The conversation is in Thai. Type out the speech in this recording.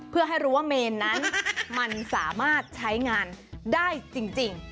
เพื่อให้รู้ว่าเมนนั้นมันสามารถใช้งานได้จริง